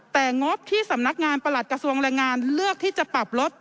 แต่งบที่สำนักงานประหลัดกระทรวงแรงงานเลือกที่จะปรับลด